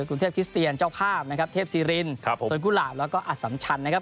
กรุงเทพคริสเตียนเจ้าภาพนะครับเทพซีรินครับสวนกุหลาบแล้วก็อสัมชันนะครับ